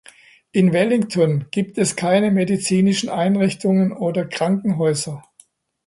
In Wellington gibt es keine medizinischen Einrichtungen oder Krankenhäuser.